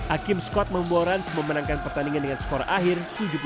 akim scott membawa rans memenangkan pertandingan dengan skor akhir tujuh puluh enam enam puluh